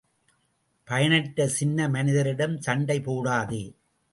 பயனற்ற சின்ன மனிதரிடம் சண்டை போடாதே!